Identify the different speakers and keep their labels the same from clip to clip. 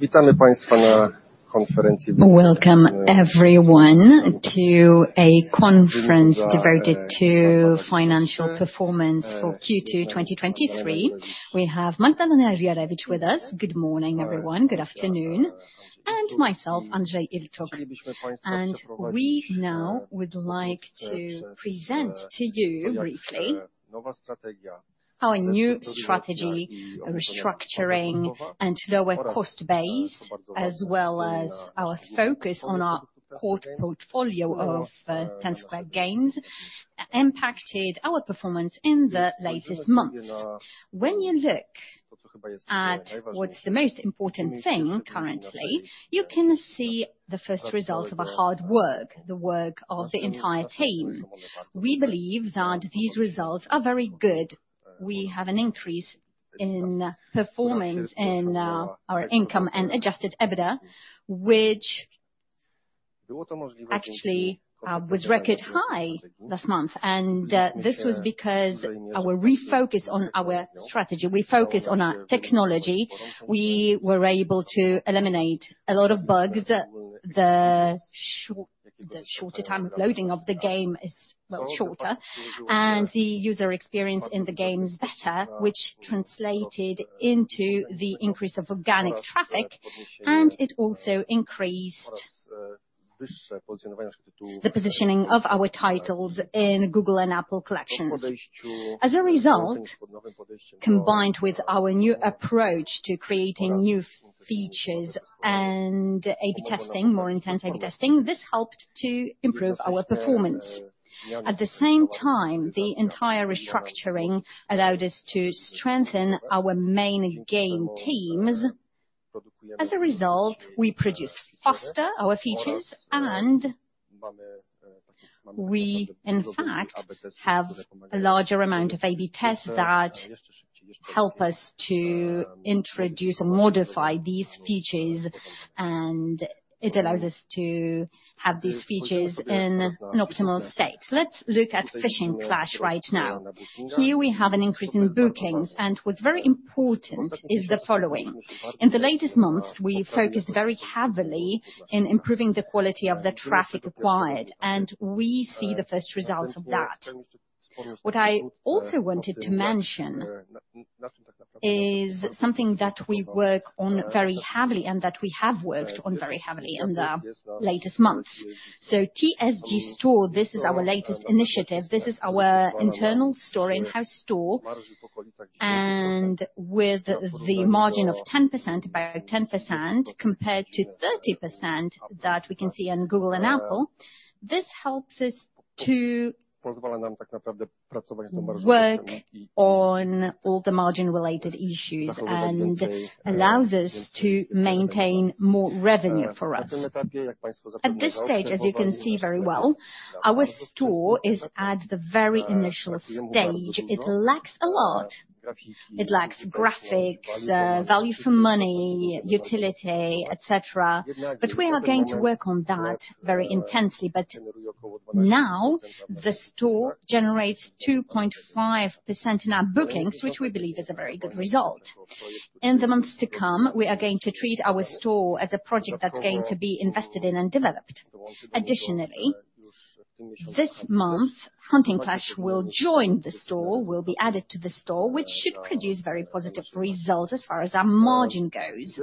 Speaker 1: Witamy państwa na konferencji.
Speaker 2: Welcome everyone to a conference devoted to financial performance for Q2 2023. We have Magdalena Jurewicz with us. Good morning, everyone. Good afternoon. And myself, Andrzej Ilczuk. And we now would like to present to you briefly.
Speaker 1: Nowa strategia.
Speaker 2: Our new strategy, restructuring and lower cost base, as well as our focus on our portfolio of Ten Square Games, impacted our performance in the latest month. When you look at what's the most important thing currently, you can see the first results of hard work, the work of the entire team. We believe that these results are very good. We have an increase in performance in our income and adjusted EBITDA, which actually was record high last month. And this was because of our refocus on our strategy. We focused on our technology. We were able to eliminate a lot of bugs. The shorter time of loading of the game is, well, shorter, and the user experience in the game is better, which translated into the increase of organic traffic, and it also increased the positioning of our titles in Google and Apple collections. As a result, combined with our new approach to creating new features and A/B testing, more intense A/B testing, this helped to improve our performance. At the same time, the entire restructuring allowed us to strengthen our main game teams. As a result, we produce faster our features, and we, in fact, have a larger amount of A/B tests that help us to introduce and modify these features, and it allows us to have these features in an optimal state. Let's look at Fishing Clash right now. Here we have an increase in bookings, and what's very important is the following. In the latest months, we focused very heavily on improving the quality of the traffic acquired, and we see the first results of that. What I also wanted to mention is something that we work on very heavily and that we have worked on very heavily in the latest months. So TSG STORE, this is our latest initiative. This is our internal store, in-house store. And with the margin of 10%, about 10%, compared to 30% that we can see in Google and Apple, this helps us to work on all the margin-related issues and allows us to maintain more revenue for us. At this stage, as you can see very well, our store is at the very initial stage. It lacks a lot. It lacks graphics, value for money, utility, etc. But we are going to work on that very intensely. But now the store generates 2.5% in our bookings, which we believe is a very good result. In the months to come, we are going to treat our store as a project that's going to be invested in and developed. Additionally, this month, Hunting Clash will join the store, will be added to the store, which should produce very positive results as far as our margin goes.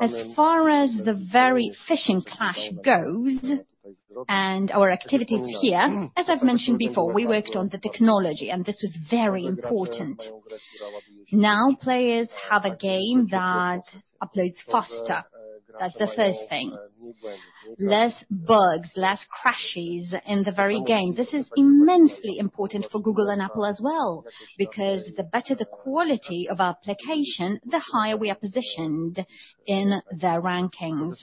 Speaker 2: As far as the very Fishing Clash goes and our activities here, as I've mentioned before, we worked on the technology, and this was very important. Now players have a game that uploads faster. That's the first thing. Less bugs, less crashes in the very game. This is immensely important for Google and Apple as well, because the better the quality of our application, the higher we are positioned in their rankings.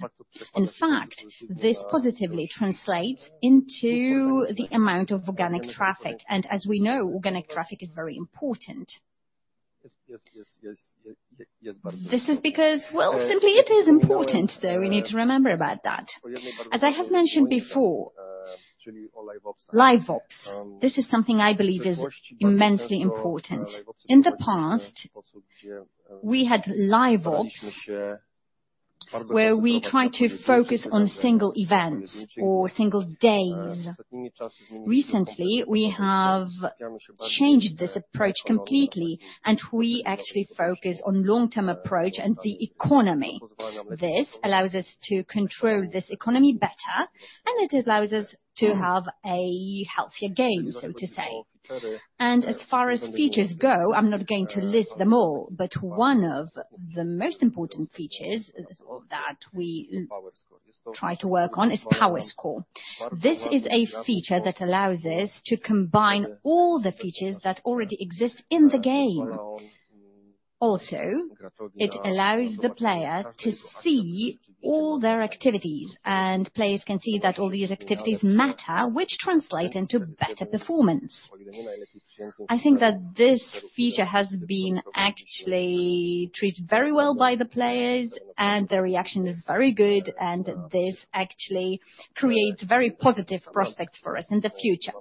Speaker 2: In fact, this positively translates into the amount of organic traffic. And as we know, organic traffic is very important. This is because, well, simply it is important, so we need to remember about that. As I have mentioned before, LiveOps, this is something I believe is immensely important. In the past, we had LiveOps, where we tried to focus on single events or single days. Recently, we have changed this approach completely, and we actually focus on the long-term approach and the economy. This allows us to control this economy better, and it allows us to have a healthier game, so to say. And as far as features go, I'm not going to list them all, but one of the most important features that we try to work on is Power score. This is a feature that allows us to combine all the features that already exist in the game. Also, it allows the player to see all their activities, and players can see that all these activities matter, which translates into better performance. I think that this feature has been actually treated very well by the players, and their reaction is very good, and this actually creates very positive prospects for us in the future.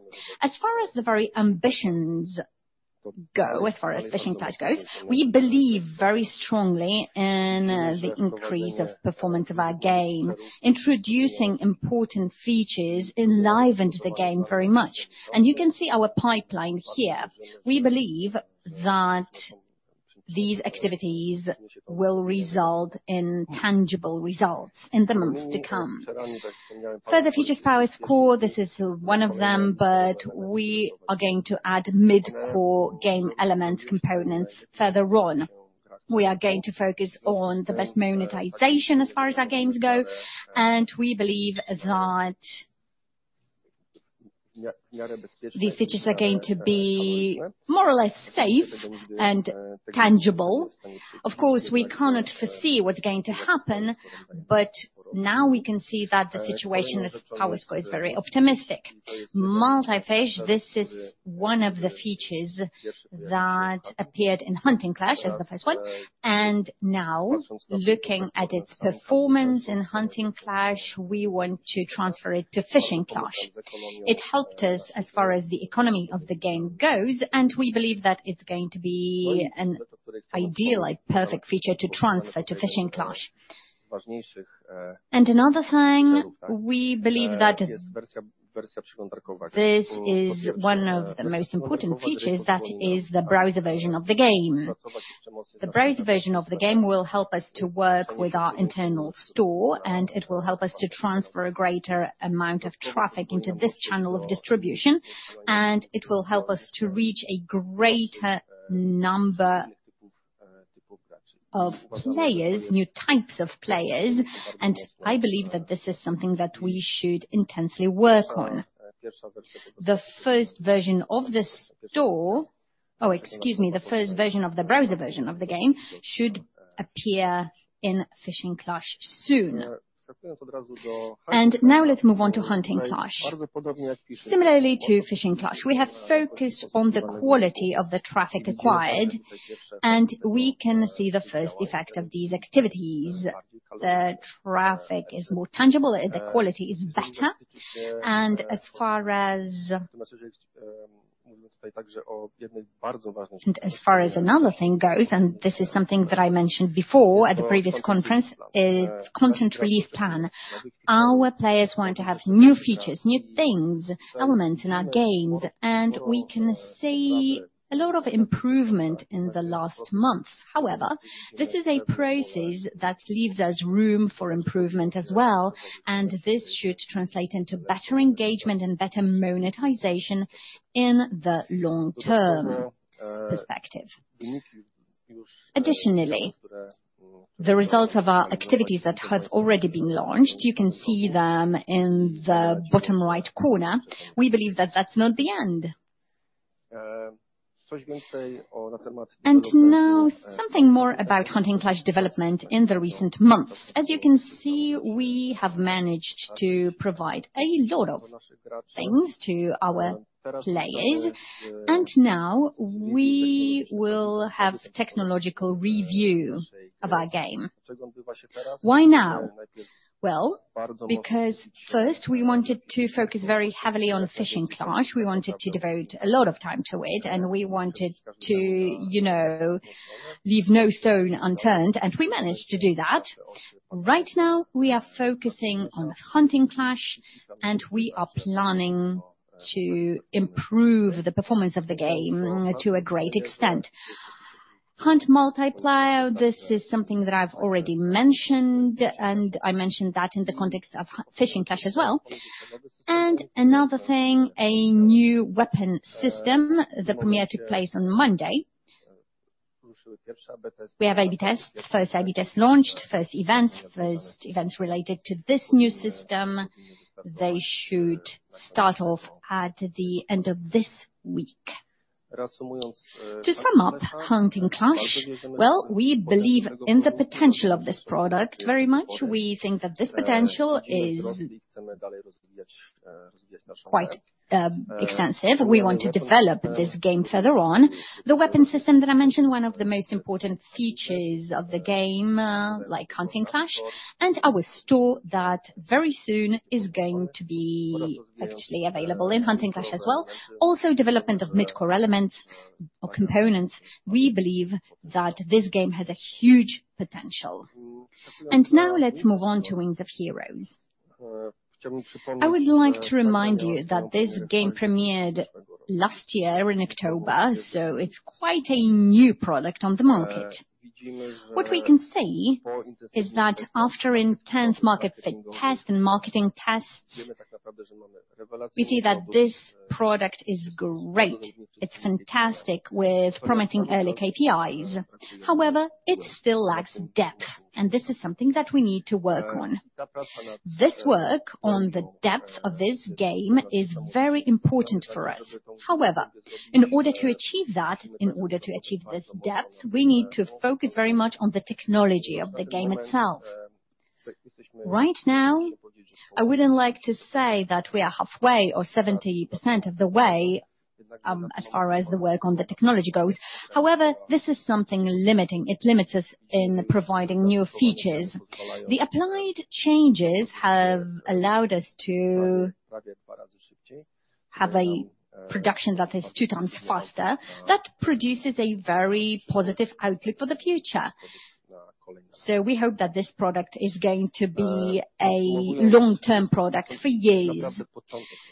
Speaker 2: As far as the very ambitions go, as far as Fishing Clash goes, we believe very strongly in the increase of performance of our game, introducing important features, enlivening the game very much. And you can see our pipeline here. We believe that these activities will result in tangible results in the months to come. Further features, Power Score, this is one of them, but we are going to add mid-core game elements, components. Further on, we are going to focus on the best monetization as far as our games go, and we believe that these features are going to be more or less safe and tangible. Of course, we cannot foresee what's going to happen, but now we can see that the situation is Power score is very optimistic. Multifish, this is one of the features that appeared in Hunting Clash as the first one. And now, looking at its performance in Hunting Clash, we want to transfer it to Fishing Clash. It helped us as far as the economy of the game goes, and we believe that it's going to be an ideal, perfect feature to transfer to Fishing Clash. And another thing, we believe that this is one of the most important features, that is the browser version of the game. The browser version of the game will help us to work with our internal store, and it will help us to transfer a greater amount of traffic into this channel of distribution, and it will help us to reach a greater number of players, new types of players. I believe that this is something that we should intensely work on. The first version of this store, oh, excuse me, the first version of the browser version of the game should appear in Fishing Clash soon. Now let's move on to Hunting Clash. Similarly to Fishing Clash, we have focused on the quality of the traffic acquired, and we can see the first effect of these activities. The traffic is more tangible, the quality is better. And as far as another thing goes, and this is something that I mentioned before at the previous conference, it's the Content Release Plan. Our players want to have new features, new things, elements in our games, and we can see a lot of improvement in the last month. However, this is a process that leaves us room for improvement as well, and this should translate into better engagement and better monetization in the long-term perspective. Additionally, the results of our activities that have already been launched, you can see them in the bottom right corner. We believe that that's not the end. And now something more about Hunting Clash development in the recent months. As you can see, we have managed to provide a lot of things to our players, and now we will have a technological review of our game. Why now? Well, because first we wanted to focus very heavily on Fishing Clash. We wanted to devote a lot of time to it, and we wanted to, you know, leave no stone unturned, and we managed to do that. Right now, we are focusing on Hunting Clash, and we are planning to improve the performance of the game to a great extent. Hunt Multiplier, this is something that I've already mentioned, and I mentioned that in the context of Fishing Clash as well. And another thing, a new weapon system that premiered took place on Monday. We have A/B tests, first A/B tests launched, first events, first events related to this new system. They should start off at the end of this week. To sum up Hunting Clash, well, we believe in the potential of this product very much. We think that this potential is quite extensive. We want to develop this game further on. The weapon system that I mentioned, one of the most important features of the game, like Hunting Clash, and our store that very soon is going to be actually available in Hunting Clash as well. Also, development of mid-core elements or components. We believe that this game has a huge potential. And now let's move on to Wings of Heroes. I would like to remind you that this game premiered last year in October, so it's quite a new product on the market. What we can see is that after intense market tests and marketing tests, we see that this product is great. It's fantastic, promising early KPIs. However, it still lacks depth, and this is something that we need to work on. This work on the depth of this game is very important for us. However, in order to achieve that, in order to achieve this depth, we need to focus very much on the technology of the game itself. Right now, I wouldn't like to say that we are halfway or 70% of the way as far as the work on the technology goes. However, this is something limiting. It limits us in providing new features. The applied changes have allowed us to have a production that is two times faster. That produces a very positive outlook for the future. So we hope that this product is going to be a long-term product for years.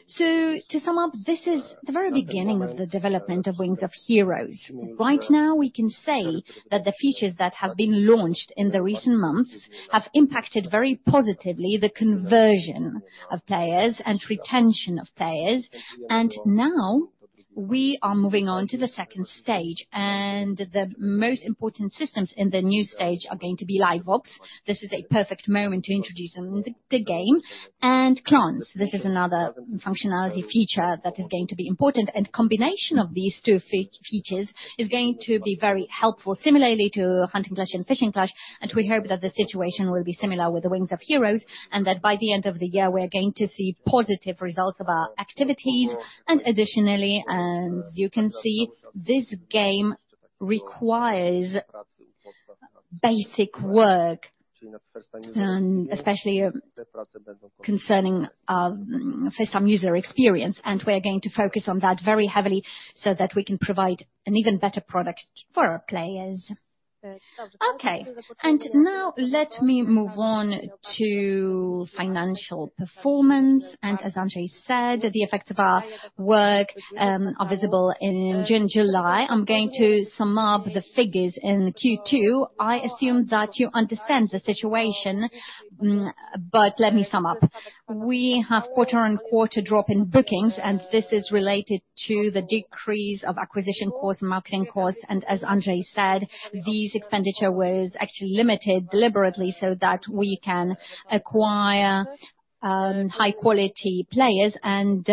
Speaker 2: So to sum up, this is the very beginning of the development of Wings of Heroes. Right now, we can say that the features that have been launched in the recent months have impacted very positively the conversion of players and retention of players. Now we are moving on to the second stage, and the most important systems in the new stage are going to be LiveOps. This is a perfect moment to introduce them in the game. Clans, this is another functionality feature that is going to be important. The combination of these two features is going to be very helpful, similarly to Hunting Clash and Fishing Clash. We hope that the situation will be similar with the Wings of Heroes and that by the end of the year, we're going to see positive results of our activities. Additionally, as you can see, this game requires basic work, especially concerning first-time user experience. We're going to focus on that very heavily so that we can provide an even better product for our players. Okay. Now let me move on to financial performance. And as Andrzej said, the effects of our work are visible in June, July. I'm going to sum up the figures in Q2. I assume that you understand the situation, but let me sum up. We have quarter-over-quarter drop in bookings, and this is related to the decrease of acquisition costs, marketing costs. And as Andrzej said, this expenditure was actually limited deliberately so that we can acquire high-quality players. And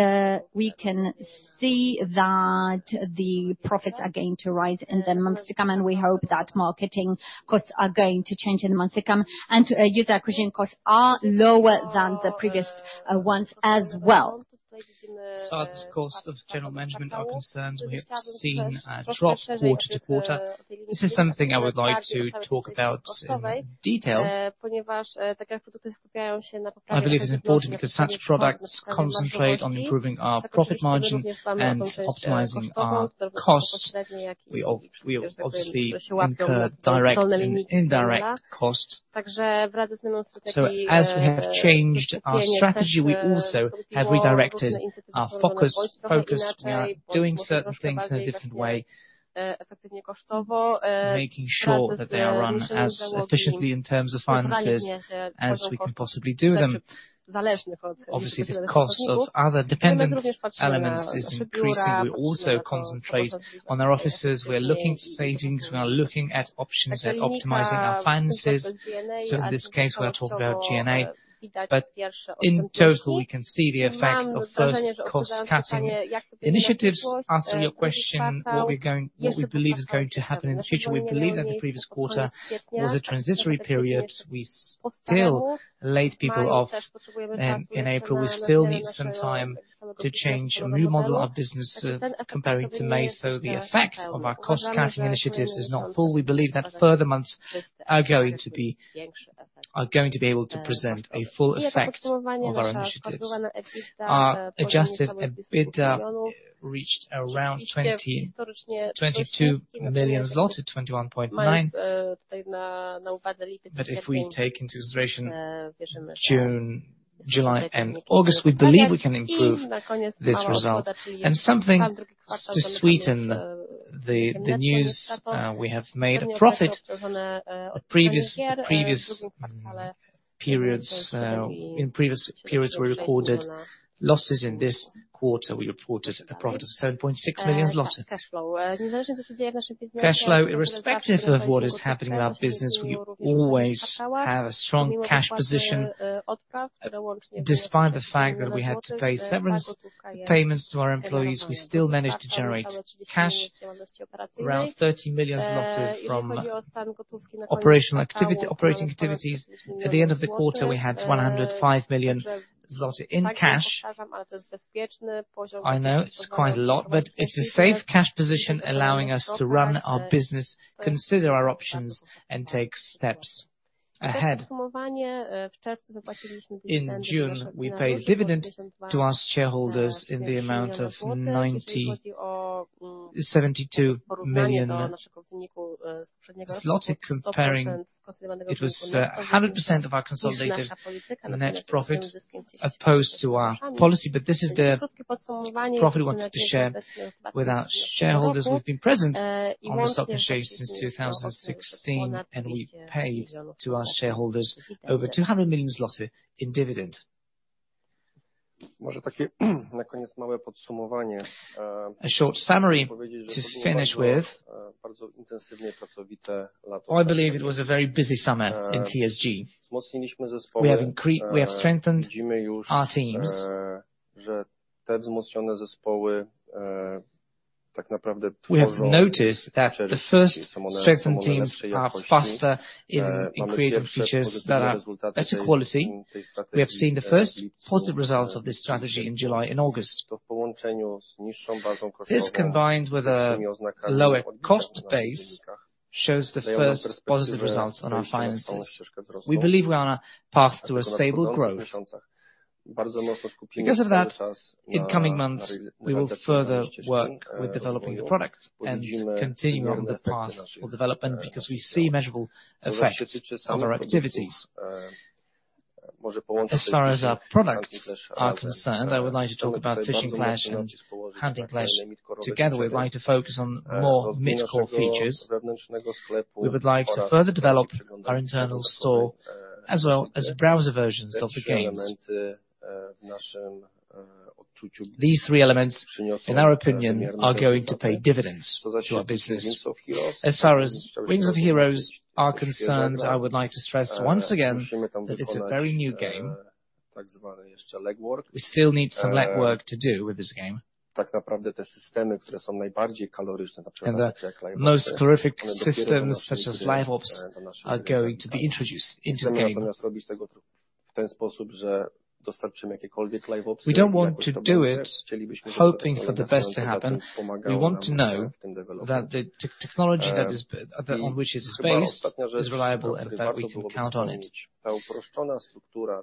Speaker 2: we can see that the profits are going to rise in the months to come, and we hope that marketing costs are going to change in the months to come. And user acquisition costs are lower than the previous ones as well. So the cost of general management are concerned. We have seen a drop quarter-over-quarter. This is something I would like to talk about in detail. I believe it's important because such products concentrate on improving our profit margin and optimizing our costs. We obviously incur direct costs. So as we have changed our strategy, we also have redirected our focus, focusing on doing certain things in a different way, making sure that they are run as efficiently in terms of finances as we can possibly do them. Obviously, the cost of other dependent elements is increasing. We also concentrate on our offices. We're looking for savings. We are looking at options at optimizing our finances. So in this case, we are talking about G&A. But in total, we can see the effect of first-cost cutting initiatives, answering your question, what we believe is going to happen in the future. We believe that the previous quarter was a transitory period. We still laid people off in April. We still need some time to change and remodel our business comparing to May. So the effect of our cost-cutting initiatives is not full. We believe that further months are going to be able to present a full effect of our initiatives. Our Adjusted EBITDA reached around PLN 22 million, 21.9. But if we take into consideration June, July, and August, we believe we can improve this result. And something to sweeten the news, we have made a profit of previous periods. In previous periods we recorded losses. In this quarter, we reported a profit of 7.6 million zloty. Cash flow, irrespective of what is happening in our business, we always have a strong cash position. Despite the fact that we had to pay severance payments to our employees, we still managed to generate cash, around 30 million zloty from operating activities. At the end of the quarter, we had 105 million zloty in cash. I know, it's quite a lot, but it's a safe cash position allowing us to run our business, consider our options, and take steps ahead. In June, we paid dividend to our shareholders in the amount of 72 million zlotys. It was 100% of our consolidated net profit opposed to our policy. But this is the profit we wanted to share with our shareholders. We've been present on the stock market since 2016, and we paid to our shareholders over 200 million zloty in dividend.
Speaker 3: Może takie na koniec małe podsumowanie.
Speaker 2: A short summary to finish with. O, I believe it was a very busy summer in TSG. We have strengthened our teams.
Speaker 3: Że te wzmocnione zespoły tak naprawdę tworzą.
Speaker 2: We have noticed that the first strengthened teams are faster in creating features that are better quality. We have seen the first positive results of this strategy in July and August. This, combined with a lower cost base, shows the first positive results on our finances. We believe we are on a path to a stable growth. Because of that, in coming months, we will further work with developing the product and continue on the path of development because we see measurable effects of our activities. As far as our products are concerned, I would like to talk about Fishing Clash and Hunting Clash together. We'd like to focus on more mid-core features. We would like to further develop our internal store as well as browser versions of the games. These three elements, in our opinion, are going to pay dividends to our business. As far as Wings of Heroes are concerned, I would like to stress once again that this is a very new game.
Speaker 3: We still need some legwork to do with this game. Tak naprawdę te systemy, które są najbardziej kaloryczne, na przykład.
Speaker 2: Most horrific systems such as LiveOps are going to be introduced into the game.
Speaker 3: Chcemy natomiast robić tego w ten sposób, że dostarczymy jakiekolwiek LiveOps.
Speaker 2: We don't want to do it hoping for the best to happen. We want to know that the technology on which it is based is reliable and that we can count on it.
Speaker 3: Ta uproszczona struktura,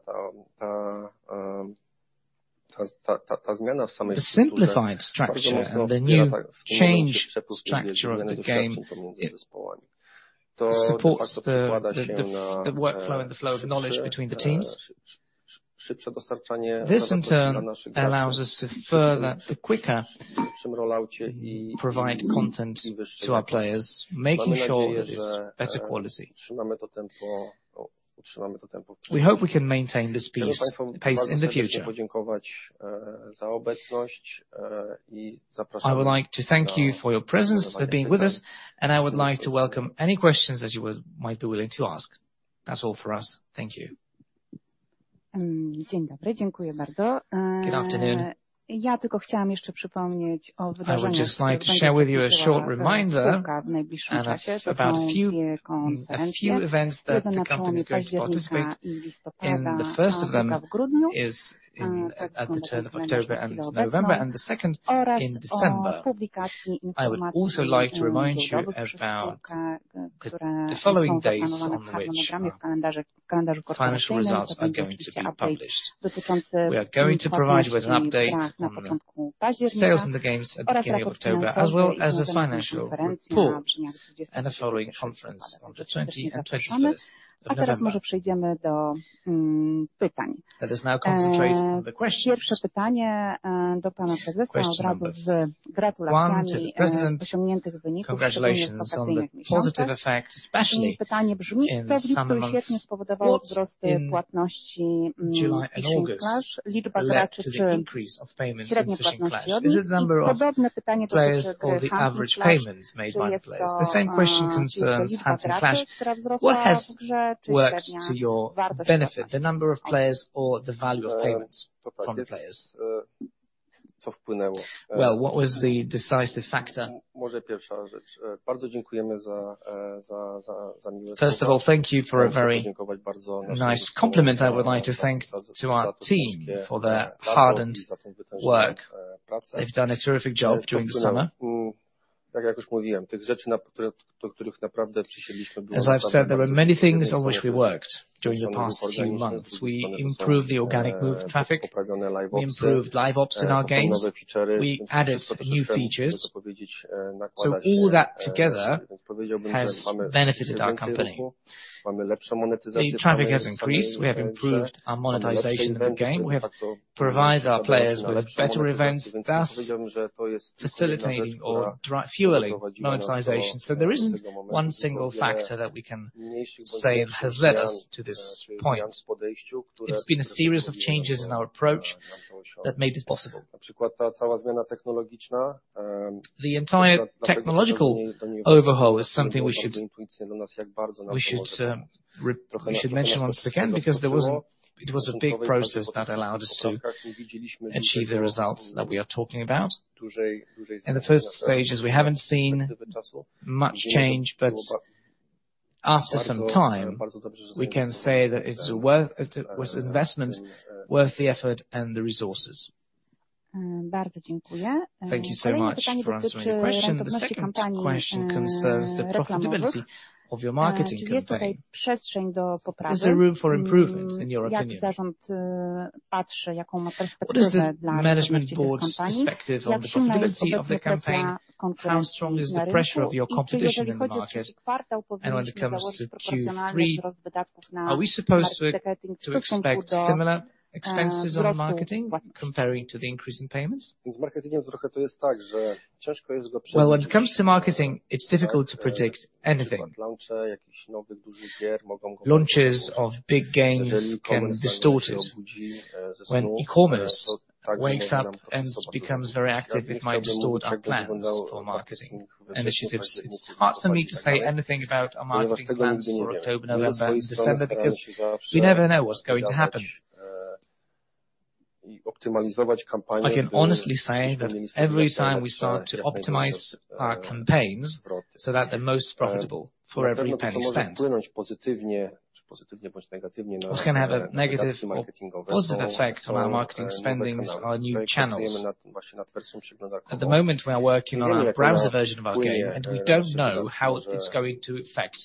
Speaker 3: ta zmiana w samej strukturze.
Speaker 2: The simplified structure and the new change structure of the game supports the workflow and the flow of knowledge between the teams. This, in turn, allows us to further, to quicker. Przy i provide content to our players, making sure that it is better quality. To to We hope we can maintain this pace in the future.
Speaker 3: Chciałbym Państwu bardzo podziękować za obecność i zapraszam.
Speaker 2: I would like to thank you for your presence, for being with us, and I would like to welcome any questions that you might be willing to ask. That's all for us. Thank you.
Speaker 1: Dzień dobry, dziękuję bardzo. Ja tylko chciałam jeszcze przypomnieć o wydarzeniu.
Speaker 2: I would just like to share with you a short reminder about a few events that are planned in February, in the first of them in October, and November, and the second in December. I would also like to remind you about the following dates on which financial results are going to be published. We are going to provide you with an update on sales in the games at the beginning of October, as well as the financial report and the following conference on the 20th and 21st.
Speaker 1: A teraz może przejdziemy do pytań. First question. Pierwsze pytanie do Pana Prezesa od razu z gratulacjami osiągniętych wyników w ostatnich miesiącach. I pytanie brzmi: co w lipcu i sierpniu spowodowało wzrosty płatności w Fishing Clash? Liczba graczy czy średnie płatności od nich? Podobne pytanie dotyczy gry. The same question concerns Hunting Clash. What has the number of players or the value of payments from players? Co wpłynęło? Well, what was the decisive factor? Może pierwsza rzecz. Bardzo dziękujemy za miłe spotkanie.
Speaker 2: First of all, thank you for a very nice compliment. I would like to thank our team for their hard work. They've done a terrific job during the summer.
Speaker 1: Tak jak już mówiłem, tych rzeczy, do których naprawdę przysiedliśmy.
Speaker 2: As I've said, there were many things on which we worked during the past few months. We improved the organic mobile traffic, improved LiveOps in our games, we added new features. So all that together has benefited our company. The traffic has increased. We have improved our monetization in the game. We have provided our players with better events. Powiedziałbym, że to jest facilitating or fueling monetization. So there isn't one single factor that we can say has led us to this point. It's been a series of changes in our approach that made this possible. Na przykład ta cała zmiana technologiczna. The entire technological overhaul is something we should mention once again because it was a big process that allowed us to achieve the results that we are talking about. And the first stages, we haven't seen much change, but after some time, we can say that it was an investment worth the effort and the resources. Bardzo dziękuję. Thank you so much. Moje pytanie dotyczy rentowności kampanii. The profitability of your marketing campaign. Czy jest tutaj przestrzeń do poprawy?
Speaker 1: Is there room for improvement, in your opinion? Jak zarząd patrzy, jaką ma perspektywę dla Fishing Clash? The profitability of the campaign, how strong is the pressure of your competition in the market? And when it comes to Q3, are we supposed to expect similar expenses on marketing comparing to the increase in payments? Z marketingiem trochę to jest tak, że ciężko jest go przewidzieć. Well, when it comes to marketing, it's difficult to predict anything. Launche jakichś nowych, dużych gier mogą być. Launches of big games can be distorted. When e-commerce, when it becomes very active with my distorted plan for marketing initiatives, it's hard for me to say anything about our marketing plans for October, November, December because we never know what's going to happen. I can honestly say that every time we start to optimize our campaigns so that they're most profitable for every penny spent. Może to wpłynąć pozytywnie, czy pozytywnie bądź negatywnie na marketingowe wydatki? We can have a negative effect on our marketing spending on our new channels. At the moment, we are working on our browser version of our game, and we don't know how it's going to affect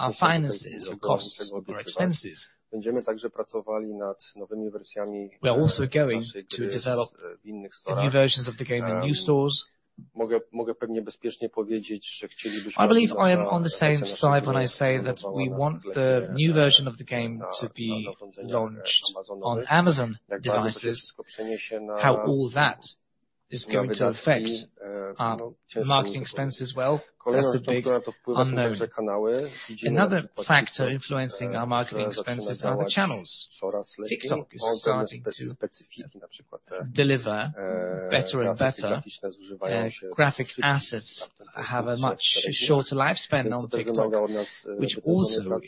Speaker 1: our finances or costs or expenses. Będziemy także pracowali nad nowymi wersjami. We are also going to develop new versions of the game in new stores. Mogę pewnie bezpiecznie powiedzieć, że chcielibyśmy. I believe I am on the same side when I say that we want the new version of the game to be launched on Amazon devices. How all that is going to affect our marketing expenses as well. Kolejna rzecz, która to wpływa na nasze kanały. Another factor influencing our marketing expenses are the channels. TikTok is starting to deliver better and better. Graphics assets have a much shorter lifespan on TikTok, which also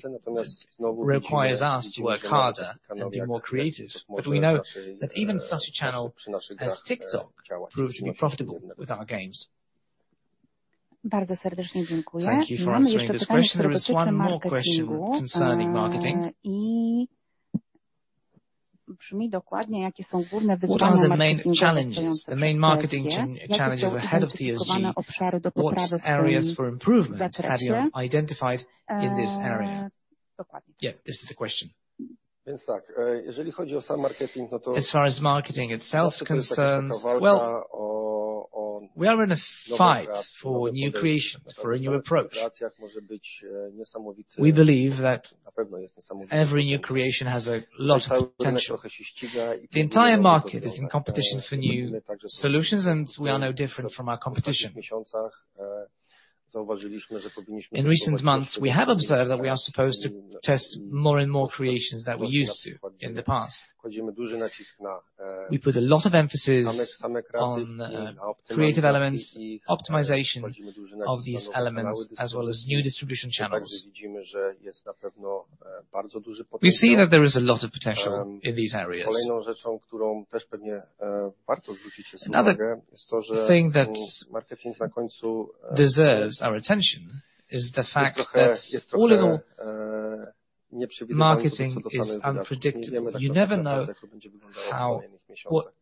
Speaker 1: requires us to work harder and be more creative. But we know that even such a channel as TikTok will be profitable with our games. Bardzo serdecznie dziękuję. If there are any questions or concerns concerning marketing. I brzmi dokładnie, jakie są główne wyzwania. What are the main marketing challenges ahead of TSG? Dokładnie. Yeah, this is the question. Więc tak, jeżeli chodzi o sam marketing, no to. As far as marketing itself concerns, we are in a fight for new creations, for a new approach. Na pewno jest niesamowite. Every new creation has a lot of potential. The entire market is in competition for new solutions, and we are no different from our competition. In recent months, we have observed that we are supposed to test more and more creations than we used to in the past. Kładziemy duży nacisk na. We put a lot of emphasis on creative elements, optimization of these elements, as well as new distribution channels. Także widzimy, że jest na pewno bardzo duży potencjał. We see that there is a lot of potential in these areas. Kolejną rzeczą, którą też pewnie warto zwrócić uwagę, jest to, że marketing na końcu. Deserves our attention is the fact that all in all marketing is unpredictable. You never know how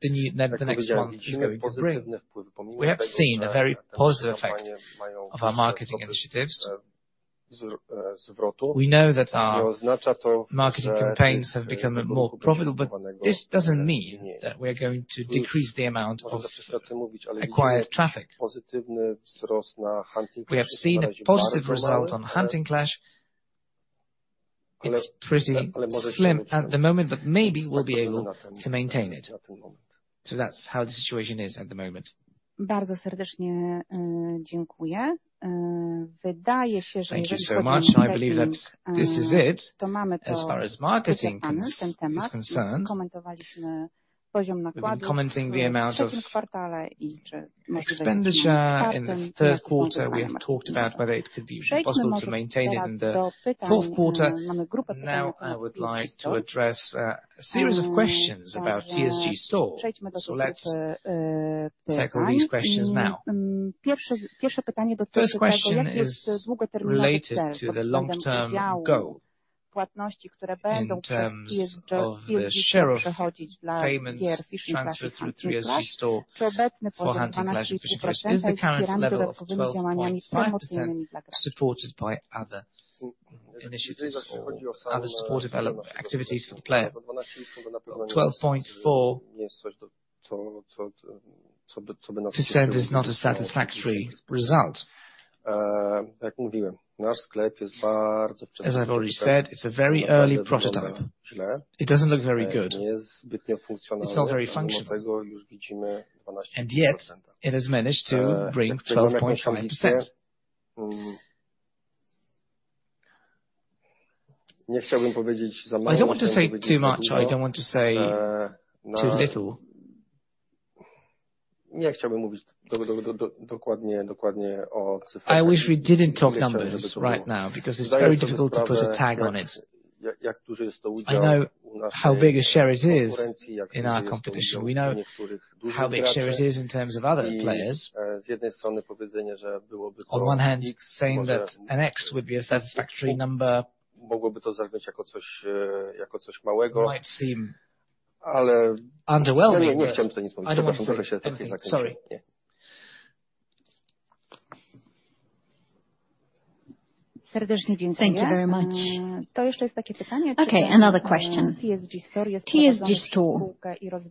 Speaker 1: the next month is going to be. We have seen a very positive effect of our marketing initiatives. We know that our marketing campaigns have become more profitable, but this doesn't mean that we are going to decrease the amount of acquired traffic. We have seen a positive result on Hunting Clash. It's pretty slim at the moment, but maybe we'll be able to maintain it. So that's how the situation is at the moment.
Speaker 2: Bardzo serdecznie dziękuję. Wydaje się, że jeżeli chodzi o marketing, to mamy to. As far as marketing is concerned, komentowaliśmy poziom nakładów w trzecim kwartale i czy można zainwestować w Hunting Clash. We have talked about whether it could be possible to maintain it in the fourth quarter. Now I would like to address a series of questions about TSG Store. So let's tackle these questions now. Pierwsze pytanie dotyczy tego, jak jest z długoterminowym celem. Płatności, które będą przez TSG Store przechodzić dla gier Fishing Clash i TSG Store. Czy obecny poziom nakładów jest wspierany dodatkowymi działaniami promocyjnymi dla graczy? Supported by other activities for the players. To co by nas oczekiwało? To say this is not a satisfactory result. Tak jak mówiłem, nasz sklep jest bardzo. As I've already said, it's a very early prototype. It doesn't look very good. Dlatego już widzimy 12%. And yet it has managed to bring 12.5%. Nie chciałbym powiedzieć za mało. I don't want to say too much. I don't want to say too little. Nie chciałbym mówić dokładnie o cyfrach. I wish we didn't talk numbers right now because it's very difficult to put a tag on it. Jak duży jest to udział u nas w tej konkurencji? I know how big a share it is in our competition. We know how big a share it is in terms of other players. Z jednej strony powiedzenie, że byłoby to. On one hand, saying that an X would be a satisfactory number. Mogłoby to zaznać jako coś jako coś małego. It might seem. Ale. Underwhelming. Nie chciałbym tego nic mówić. Przepraszam, trochę się z takiej zakręciłem. Serdecznie dziękuję. Thank you very much. To jeszcze jest takie pytanie. Okay, another question. TSG Store,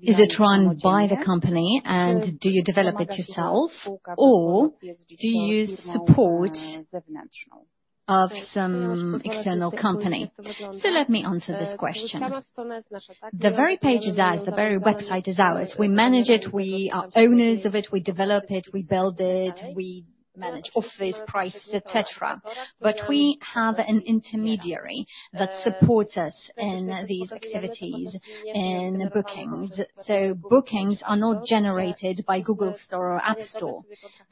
Speaker 2: is it run by the company and do you develop it yourself, or do you use support of some external company? So let me answer this question. The very page is ours, the very website is ours. We manage it, we are owners of it, we develop it, we build it, we manage offers, price, etc. But we have an intermediary that supports us in these activities and bookings. So bookings are not generated by Google Play Store or App Store.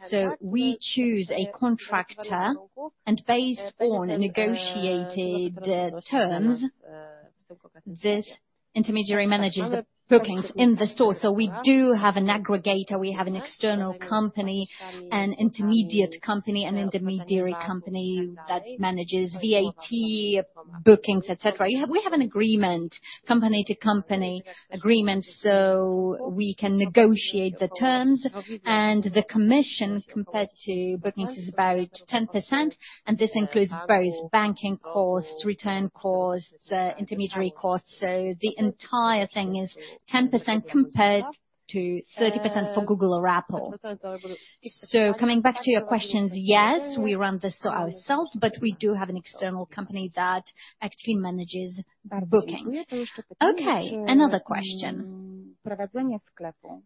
Speaker 2: So we choose a contractor and, based on negotiated terms, this intermediary manages the bookings in the store. So we do have an aggregator, we have an external company, an intermediate company, an intermediary company that manages VAT, bookings, etc. We have an agreement, company-to-company agreement, so we can negotiate the terms. The commission compared to bookings is about 10%, and this includes both banking costs, return costs, intermediary costs. The entire thing is 10% compared to 30% for Google or Apple. Coming back to your questions, yes, we run the store ourselves, but we do have an external company that actually manages bookings. Okay, another question. Prowadzenie sklepu.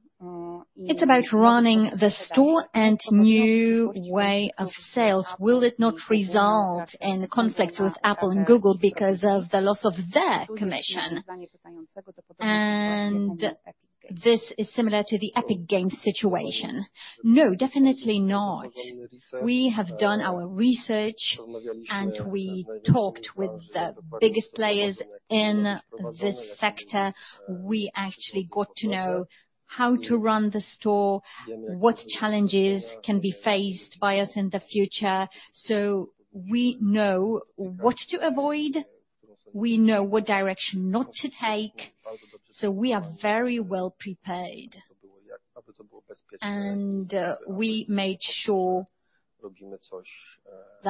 Speaker 2: It's about running the store and a new way of sales. Will it not result in conflicts with Apple and Google because of the loss of their commission? This is similar to the Epic Games situation. No, definitely not. We have done our research and we talked with the biggest players in this sector. We actually got to know how to run the store, what challenges can be faced by us in the future. We know what to avoid, we know what direction not to take. So we are very well prepared. And we made sure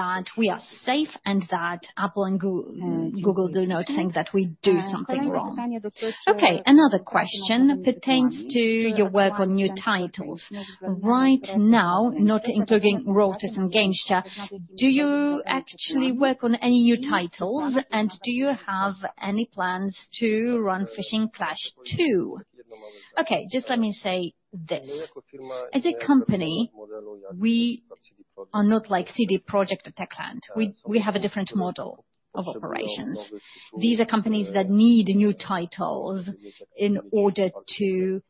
Speaker 2: that we are safe and that Apple and Google do not think that we do something wrong. To jest pytanie dotyczące. Okay, another question pertains to your work on new titles. Right now, not including Rortos and Gamesture, do you actually work on any new titles and do you have any plans to run Fishing Clash 2? Okay, just let me say this. As a company, we are not like CD PROJEKT Techland. We have a different model of operations. These are companies that need new titles in order to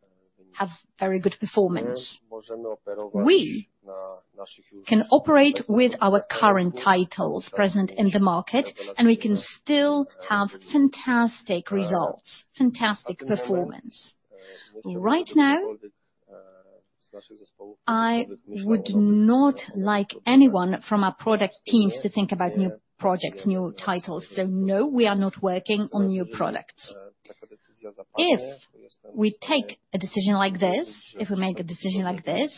Speaker 2: have very good performance. Możemy operować na naszych już. We can operate with our current titles present in the market and we can still have fantastic results, fantastic performance. Right now, I would not like anyone from our product teams to think about new projects, new titles. So no, we are not working on new products. If we take a decision like this, if we make a decision like this,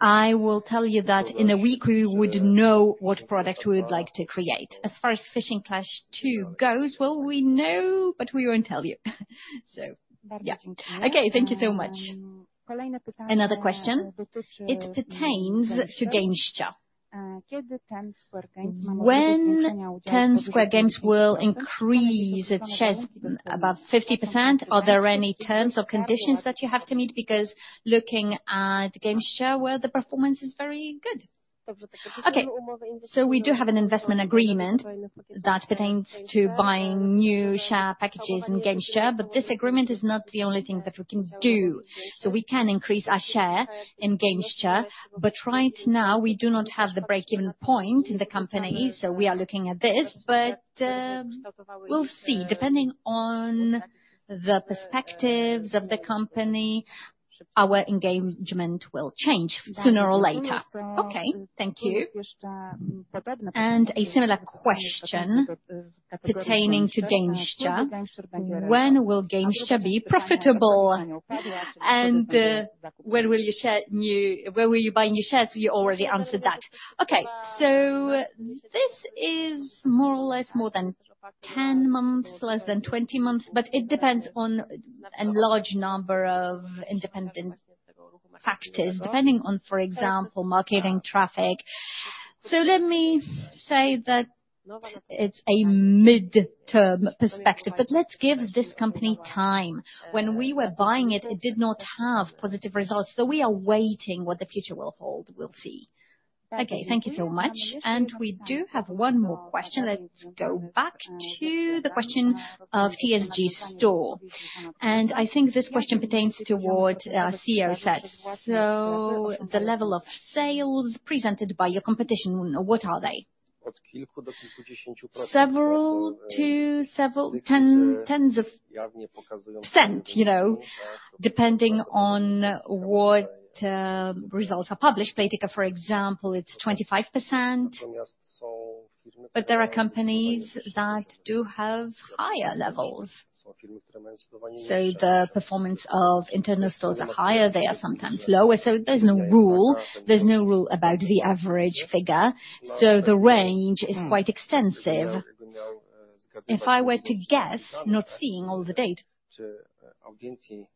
Speaker 2: I will tell you that in a week we would know what product we would like to create. As far as Fishing Clash 2 goes, well, we know, but we won't tell you. So okay, thank you so much. Another question. It pertains to Gamesture. When Ten Square Games will increase its shares above 50%, are there any terms or conditions that you have to meet? Because looking at Gamesture, the performance is very good. To w takim razie mamy umowę inwestycyjną. So we do have an investment agreement that pertains to buying new share packages in Gamesture, but this agreement is not the only thing that we can do. So we can increase our share in Gamesture, but right now we do not have the breakeven point in the company. So we are looking at this, but we'll see. Depending on the perspectives of the company, our engagement will change sooner or later. Okay, thank you. And a similar question pertaining to Gamesture. When will Gamesture be profitable? And when will you share new, when will you buy new shares? You already answered that. Okay, so this is more or less more than 10 months, less than 20 months, but it depends on a large number of independent factors, depending on, for example, marketing traffic. So let me say that it's a mid-term perspective, but let's give this company time. When we were buying it, it did not have positive results. So we are waiting what the future will hold. We'll see. Okay, thank you so much. We do have one more question. Let's go back to the question of TSG Store. And I think this question pertains toward our CEO said. So the level of sales presented by your competition, what are they? Od kilku do kilkudziesięciu procent. Several to several tens of percent, you know, depending on what results are published. Playtika, for example, it's 25%. But there are companies that do have higher levels. So the performance of internal stores are higher, they are sometimes lower. So there's no rule, there's no rule about the average figure. So the range is quite extensive. If I were to guess, not seeing all the data. Czy audiencji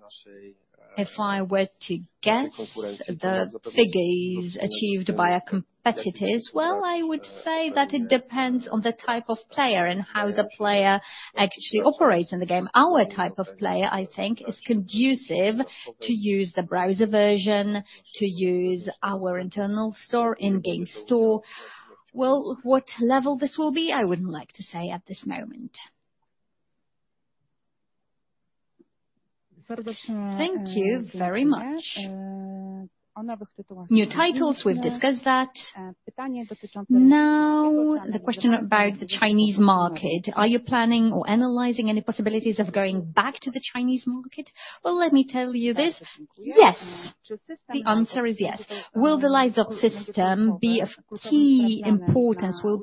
Speaker 2: naszej. If I were to guess the figures achieved by a competitor, well, I would say that it depends on the type of player and how the player actually operates in the game. Our type of player, I think, is conducive to use the browser version, to use our internal store in TSG Store. Well, what level this will be, I wouldn't like to say at this moment. Serdecznie. Thank you very much. O nowych sytuacjach. New titles, we've discussed that. Now, the question about the Chinese market. Are you planning or analyzing any possibilities of going back to the Chinese market? Well, let me tell you this. Yes. The answer is yes. Will the LiveOps be of key importance? Will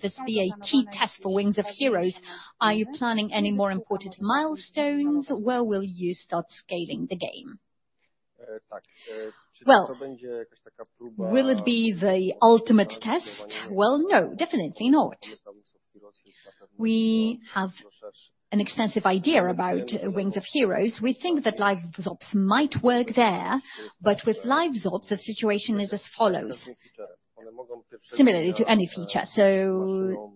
Speaker 2: this be a key test for Wings of Heroes? Are you planning any more important milestones? When will you start scaling the game? Tak. Czy to będzie jakaś taka próba? Will it be the ultimate test? Well, no, definitely not. We have an extensive idea about Wings of Heroes. We think that LiveOps might work there, but with LiveOps, the situation is as follows. Similarly to any feature. So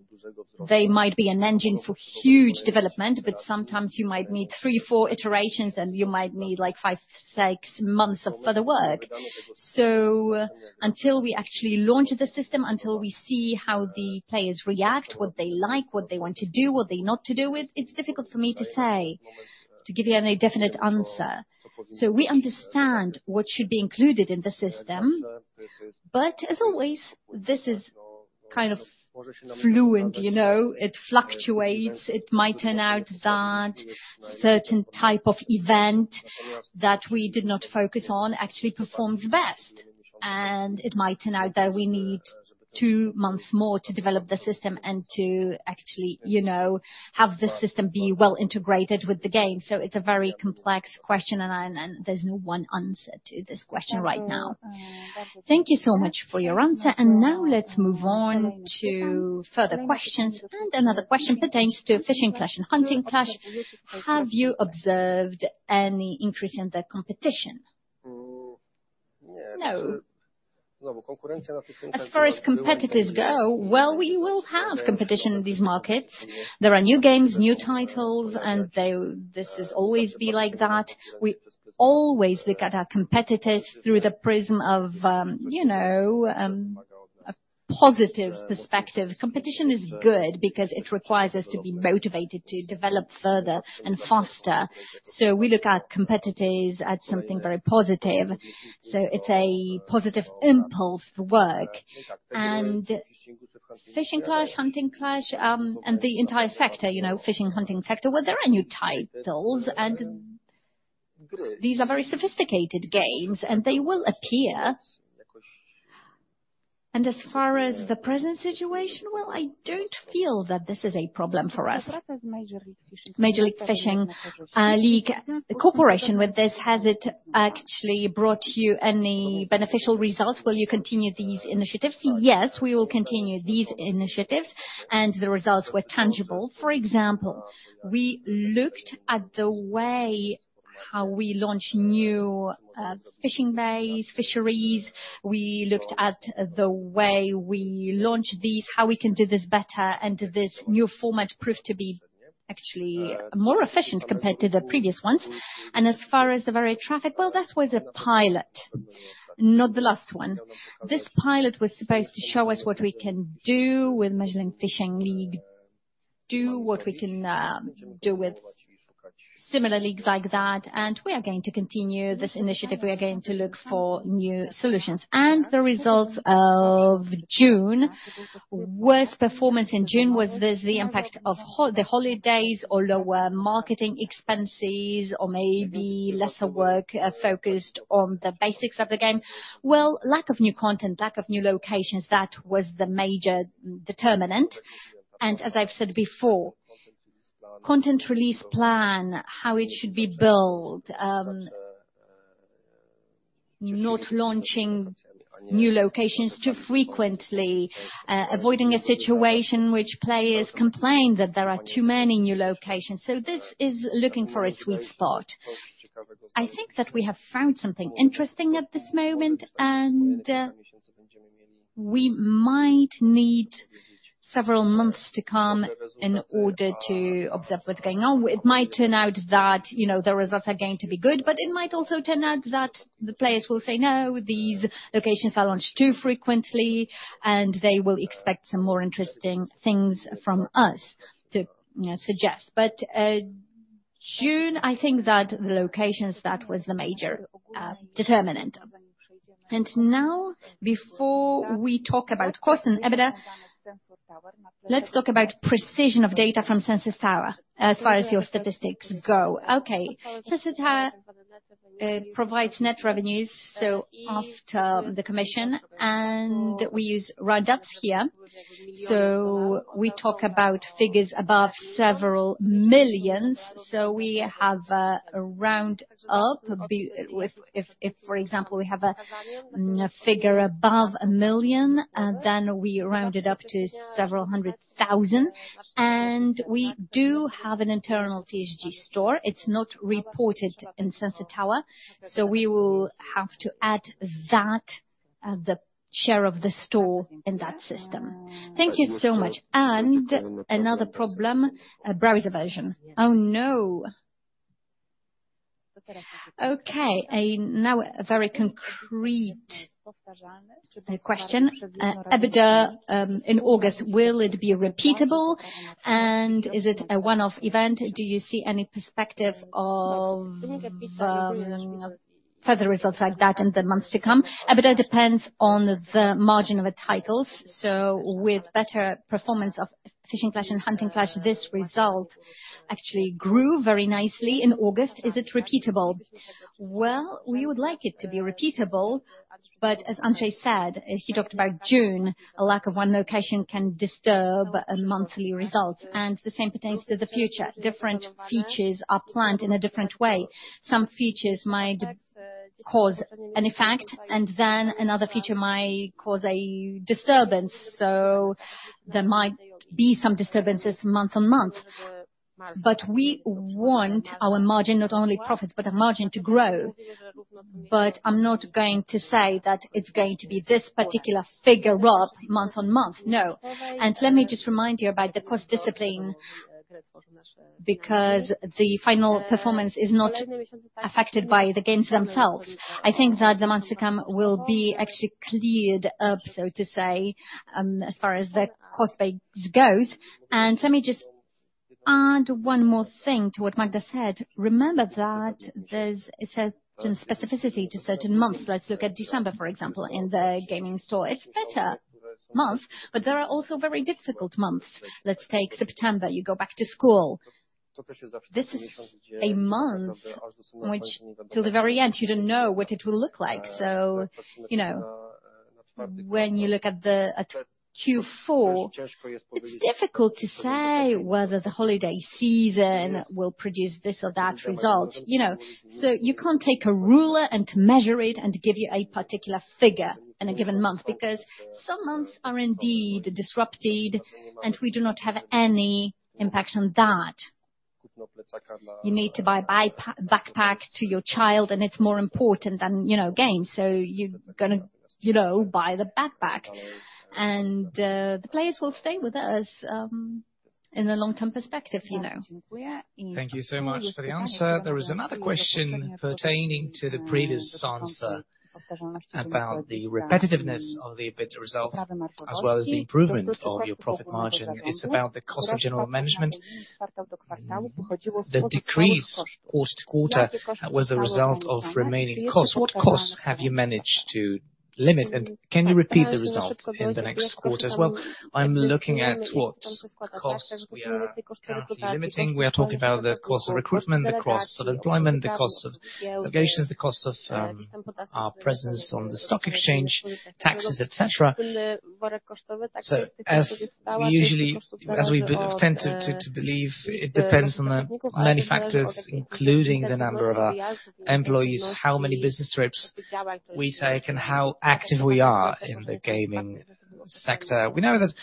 Speaker 2: they might be an engine for huge development, but sometimes you might need three, four iterations and you might need like five, six months of further work. So until we actually launch the system, until we see how the players react, what they like, what they want to do, what they're not to do with, it's difficult for me to say, to give you any definite answer. So we understand what should be included in the system, but as always, this is kind of fluent, you know? It fluctuates. It might turn out that a certain type of event that we did not focus on actually performs best. It might turn out that we need two months more to develop the system and to actually, you know, have the system be well integrated with the game. It's a very complex question and there's no one answer to this question right now. Thank you so much for your answer. Now let's move on to further questions. Another question pertains to Fishing Clash and Hunting Clash. Have you observed any increase in the competition? Nie. No. Znowu konkurencja na tych internetowych. As far as competitors go, well, we will have competition in these markets. There are new games, new titles, and this will always be like that. We always look at our competitors through the prism of, you know, a positive perspective. Competition is good because it requires us to be motivated to develop further and faster. We look at competitors as something very positive. So it's a positive impulse to work. Fishing Clash, Hunting Clash, and the entire sector, you know, fishing, hunting sector, well, there are new titles and these are very sophisticated games and they will appear. As far as the present situation, well, I don't feel that this is a problem for us. Major League Fishing with this, has it actually brought you any beneficial results? Will you continue these initiatives? Yes, we will continue these initiatives and the results were tangible. For example, we looked at the way how we launch new fishing bays, fisheries. We looked at the way we launch these, how we can do this better and this new format proved to be actually more efficient compared to the previous ones. As far as the very traffic, well, that was a pilot, not the last one. This pilot was supposed to show us what we can do with Major League Fishing, do what we can do with similar leagues like that, and we are going to continue this initiative. We are going to look for new solutions. The results of June, worst performance in June was this, the impact of the holidays or lower marketing expenses or maybe lesser work focused on the basics of the game. Well, lack of new content, lack of new locations, that was the major determinant. As I've said before, content release plan, how it should be built, not launching new locations too frequently, avoiding a situation in which players complain that there are too many new locations. This is looking for a sweet spot. I think that we have found something interesting at this moment and we might need several months to come in order to observe what's going on. It might turn out that, you know, the results are going to be good, but it might also turn out that the players will say, no, these locations are launched too frequently and they will expect some more interesting things from us to suggest. But in June, I think that the locations, that was the major determinant. Now, before we talk about cost and EBITDA, let's talk about precision of data from Sensor Tower as far as your statistics go. Okay. Sensor Tower provides net revenues, so after the commission. And we use roundups here. So we talk about figures above several millions. So we have a roundup. If, for example, we have a figure above a million, then we round it up to several hundred thousand. We do have an internal TSG Store. It's not reported in Sensor Tower. So we will have to add that, the share of the store in that system. Thank you so much. Another problem, browser version. Oh no. Okay. Now a very concrete question. EBITDA in August, will it be repeatable? And is it a one-off event? Do you see any perspective of further results like that in the months to come? EBITDA depends on the margin of the titles. So with better performance of Fishing Clash and Hunting Clash, this result actually grew very nicely in August. Is it repeatable? Well, we would like it to be repeatable, but as Andrzej said, he talked about June, a lack of one location can disturb a monthly result. The same pertains to the future. Different features are planned in a different way. Some features might cause an effect and then another feature might cause a disturbance. So there might be some disturbances month-on-month. But we want our margin, not only profits, but a margin to grow. But I'm not going to say that it's going to be this particular figure up month-on-month. No. And let me just remind you about the cost discipline because the final performance is not affected by the games themselves. I think that the months to come will be actually cleared up, so to say, as far as the cost basis goes. And let me just add one more thing to what Magda said. Remember that there's a certain specificity to certain months. Let's look at December, for example, in the gaming store. It's a better month, but there are also very difficult months. Let's take September. You go back to school. This is a month which, till the very end, you don't know what it will look like. So, you know, when you look at the Q4, it's difficult to say whether the holiday season will produce this or that result. You know, so you can't take a ruler and measure it and give you a particular figure in a given month because some months are indeed disrupted and we do not have any impact on that. You need to buy a backpack to your child and it's more important than, you know, games. So you're going to, you know, buy the backpack and the players will stay with us in the long-term perspective, you know. Thank you so much for the answer. There is another question pertaining to the previous answer about the repetitiveness of the EBITDA results as well as the improvement of your profit margin. It's about the cost of general management. The decrease cost quarter was a result of remaining cost. What costs have you managed to limit? And can you repeat the results in the next quarter as well? I'm looking at what costs are you limiting. We are talking about the cost of recruitment, the costs of employment, the costs of locations, the costs of our presence on the stock exchange, taxes, etc. So usually, as we tend to believe, it depends on many factors, including the number of our employees, how many business trips we take, and how active we are in the gaming sector. We know that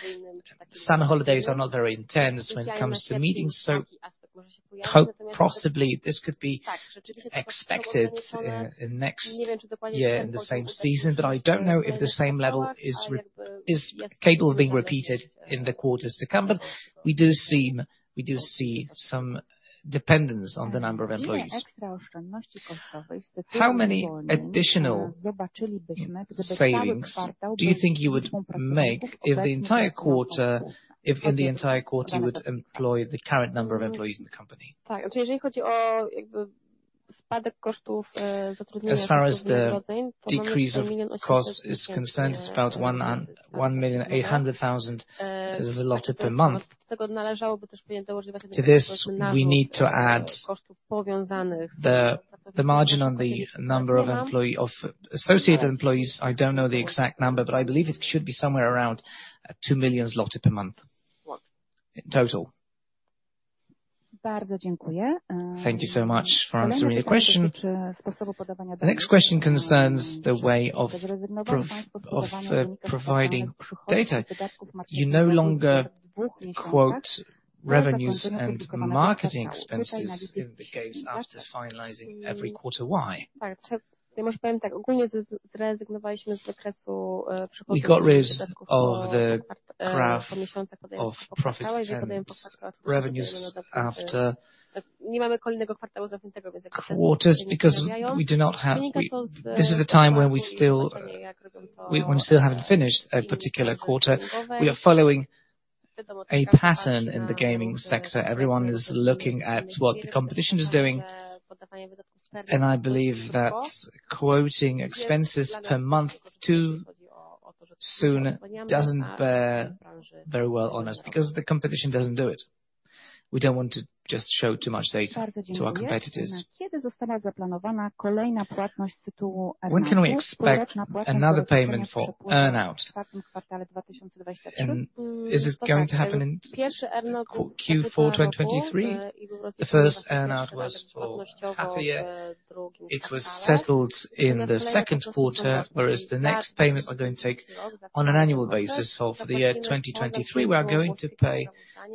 Speaker 2: some holidays are not very intense when it comes to meetings. So I hope possibly this could be expected in the next year, in the same season, but I don't know if the same level is capable of being repeated in the quarters to come. But we do see some dependence on the number of employees. How many additional savings do you think you would make if the entire quarter, if in the entire quarter you would employ the current number of employees in the company?
Speaker 1: Tak. Czyli jeżeli chodzi o jakby spadek kosztów zatrudnienia w wynagrodzeń, to może decrease of cost is concerned, it's about 1,800,000. This is a lot per month. Do tego należałoby też pieniądze ułożyć właśnie na koszty związanych.
Speaker 2: The margin on the number of associated employees, I don't know the exact number, but I believe it should be somewhere around 2 million zloty per month. Total. Bardzo dziękuję. Thank you so much for answering the question. The next question concerns the way of providing data. You no longer quote revenues and marketing expenses in the games after finalizing every quarter. Why? Tak. Czyli może powiem tak. Ogólnie zrezygnowaliśmy z wykresu przychodów i wydatków. We got rid of the graph of revenues after. Nie mamy kolejnego kwartału zamkniętego, więc jakby ten quarters, because we do not have. This is the time when we still, when we still haven't finished a particular quarter. We are following a pattern in the gaming sector. Everyone is looking at what the competition is doing. And I believe that quoting expenses per month too soon doesn't bear very well on us because the competition doesn't do it. We don't want to just show too much data to our competitors. Kiedy została zaplanowana kolejna płatność z tytułu EBITDA? When can we expect another payment for earnout? W kwartale 2023. Is it going to happen in Q4 2023? The first earnout was for half a year. It was settled in the second quarter, whereas the next payments are going to take place on an annual basis. So for the year 2023, we are going to pay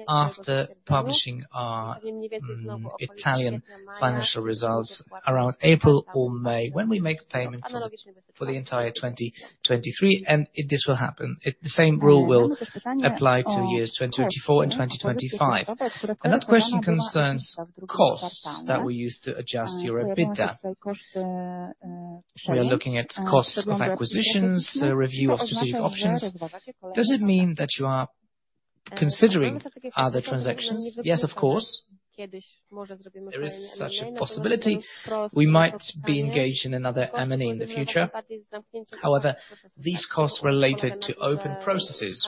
Speaker 2: after publishing our Italian financial results around April or May when we make payments for the entire 2023. This will happen. The same rule will apply to years 2024 and 2025. Another question concerns costs that we use to adjust your EBITDA. We are looking at costs of acquisitions, review of strategic options. Does it mean that you are considering other transactions? Yes, of course. There is such a possibility. We might be engaged in another M&A in the future. However, these costs related to open processes,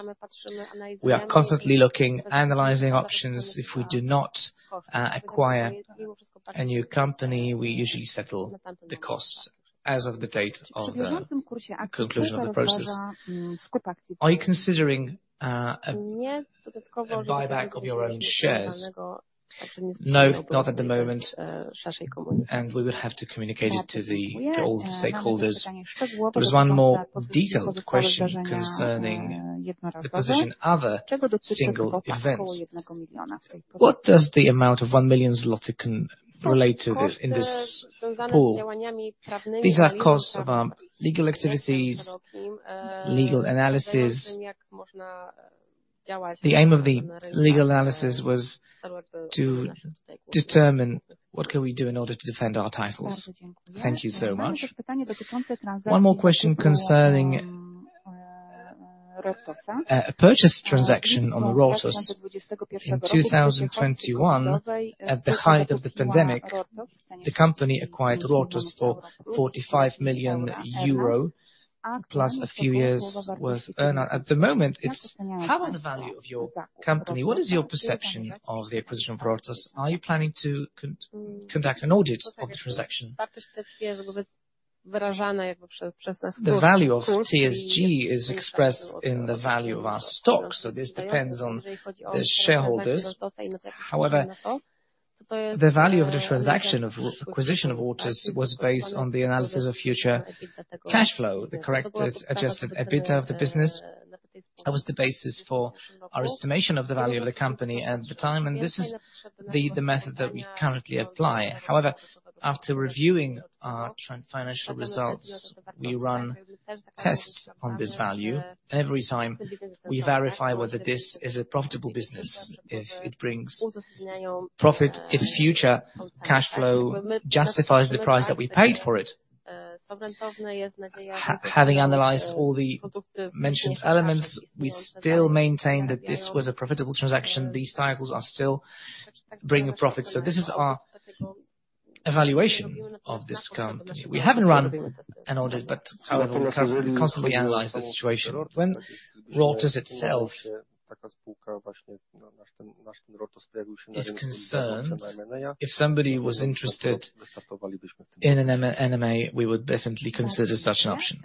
Speaker 2: we are constantly looking, analyzing options. If we do not acquire a new company, we usually settle the costs as of the date of the process. Are you considering a buyback of your own shares? No, not at the moment. We will have to communicate it to all stakeholders. There is one more detailed question concerning the position of other single events. What does the amount of 1 million zloty relate to in this pool? These are costs of our legal activities, legal analysis. The aim of the legal analysis was to determine what can we do in order to defend our titles. Thank you so much. One more question concerning a purchase transaction on the Rortos. In 2021, at the height of the pandemic, the company acquired Rortos for 45 million euro plus a few years' worth earnout. At the moment, how about the value of your company? What is your perception of the acquisition of Rortos? Are you planning to conduct an audit of the transaction? The value of TSG is expressed in the value of our stock. So this depends on the shareholders. However, the value of this transaction, of acquisition of Rortos, was based on the analysis of future cash flow, the correct Adjusted EBITDA of the business. That was the basis for our estimation of the value of the company at the time. And this is the method that we currently apply. However, after reviewing our financial results, we run tests on this value. Every time we verify whether this is a profitable business, if it brings profit, if future cash flow justifies the price that we paid for it. Having analyzed all the mentioned elements, we still maintain that this was a profitable transaction. These titles are still bringing profits. This is our evaluation of this company. We haven't run an audit, but however, we constantly analyze the situation. When Rortos itself taka spółka właśnie nasz ten Rortos pojawił się na rynku is concerned if somebody was interested in an M&A, we would definitely consider such an option.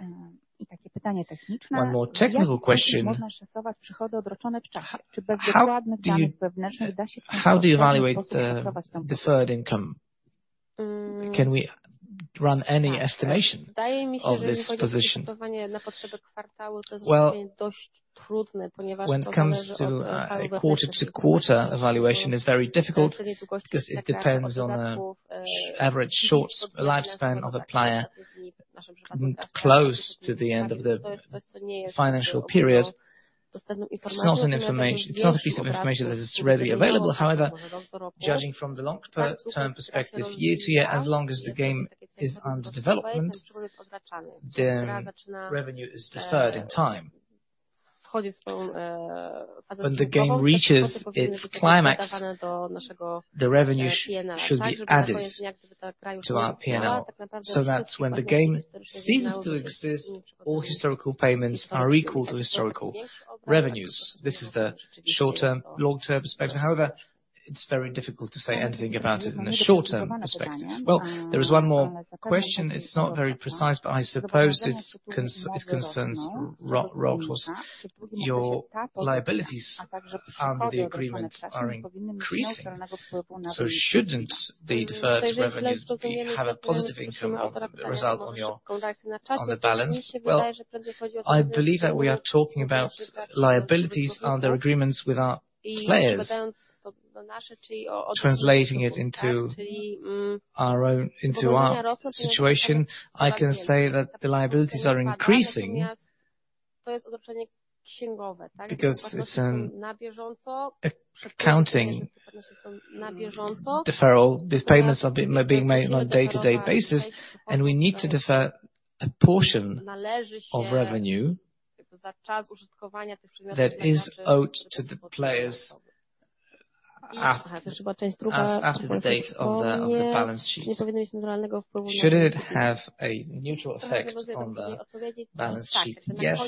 Speaker 2: I takie pytanie techniczne. One more technical question. Czy można szacować przychody odroczone w czasie? Czy bez dokładnych danych wewnętrznych da się poszacować tę pozycję? How do you evaluate deferred income? Can we run any estimation of this position? Wydaje mi się, że jeżeli chodzi o szacowanie na potrzeby kwartału, to jest dość trudne, ponieważ when it comes to quarter-to-quarter evaluation, it is very difficult because it depends on the average short lifespan of a player close to the end of the financial period. It's not a piece of information that is readily available. However, judging from the long-term perspective, year to year, as long as the game is under development, the revenue is deferred in time. When the game reaches its climax, the revenue should be added to our P&L. So that's when the game ceases to exist. All historical payments are equal to historical revenues. This is the shorter long-term perspective. However, it's very difficult to say anything about it in the short-term perspective. Well, there is one more question. It's not very precise, but I suppose it concerns Rortos. Your liabilities on the agreement are increasing. So shouldn't the deferred revenue have a positive income out result on the balance? I believe that we are talking about liabilities on their agreements with our players. Translating it into our own situation, I can say that the liabilities are increasing. To jest odroczenie księgowe, tak? Because it's an accounting deferral. These payments are being made on a day-to-day basis, and we need to defer a portion of revenue za czas użytkowania tych przedmiotów. That is owed to the players. Aha, to jest chyba część druga. After the date of the balance sheet. Shouldn't it have a neutral effect on the balance sheet? Yes.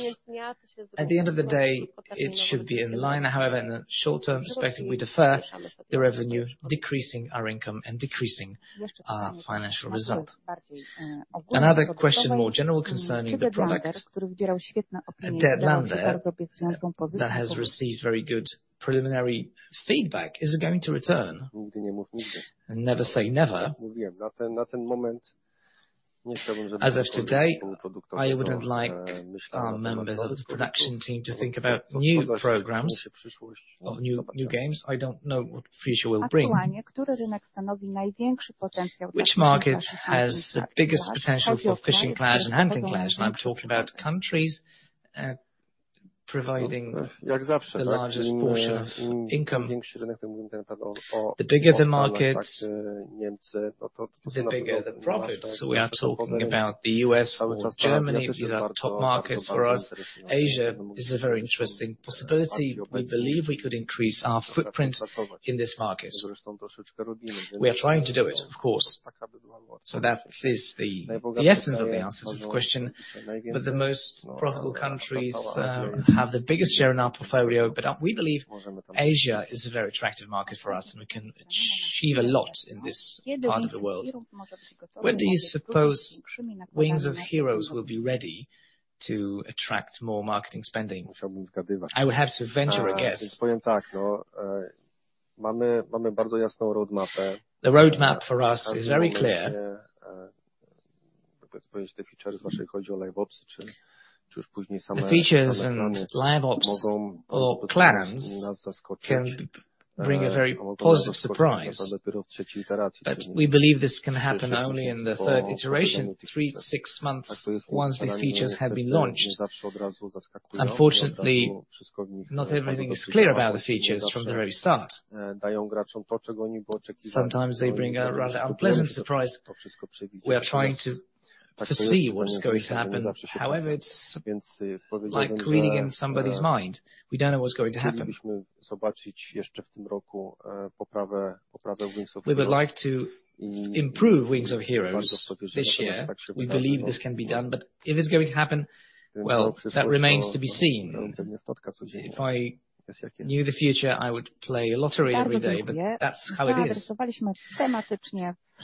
Speaker 2: At the end of the day, it should be in line. However, in the short-term perspective, we defer the revenue, decreasing our income and decreasing our financial result. Another question, more general, concerning the product. Undead Clash? That has received very good preliminary feedback. Is it going to return? Nigdy nie mów nigdy. Never say never. Mówiłem, na ten moment nie chciałbym żadnego produktu. As of today, I wouldn't like our members of the production team to think about new programs of new games. I don't know what the future will bring. Aktualnie, który rynek stanowi największy potencjał? Which market has the biggest potential for Fishing Clash and Hunting Clash? And I'm talking about countries providing the largest portion of income. The bigger the markets to the bigger the profits. We are talking about the U.S., Germany. These are the top markets for us. Asia is a very interesting possibility. We believe we could increase our footprint in this market. We are trying to do it, of course. So that is the essence of the answer to this question. But the most profitable countries have the biggest share in our portfolio. But we believe Asia is a very attractive market for us, and we can achieve a lot in this part of the world. When do you suppose Wings of Heroes will be ready to attract more marketing spending? I would have to venture a guess. Powiem tak, no mamy bardzo jasną roadmapę. The roadmap for us is very clear. Jakby spojrzeć te features, jeżeli chodzi o live ops, czy już później same opcje mogą nas zaskoczyć. Can bring a very positive surprise. But we believe this can happen only in the third iteration, 3-6 months, once these features have been launched. Unfortunately, wszystko w nich not everything is clear about the features from the very start. Dają graczom to, czego oni by oczekiwali. Sometimes they bring a pleasant surprise. We are trying to foresee what's going to happen. However, it's like reading in somebody's mind. We don't know what's going to happen. Chcielibyśmy zobaczyć jeszcze w tym roku poprawę Wings of Heroes. We would like to improve Wings of Heroes this year. We believe this can be done. But if it's going to happen, well, that remains to be seen. If I knew the future, I would play a lottery every day. But that's how it is.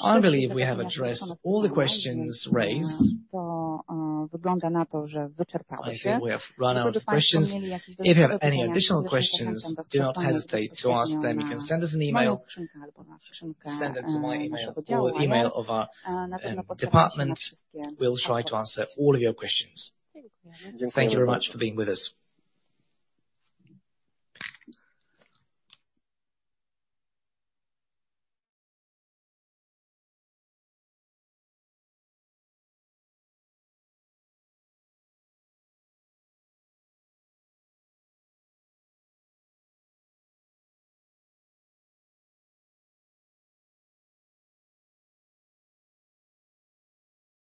Speaker 2: I believe we have addressed all the questions raised. To wygląda na to, że wyczerpały się. If you have any additional questions, do not hesitate to ask them. You can send us an email. Send them to my email. The email of our department will try to answer all of your questions. Thank you very much for being with us.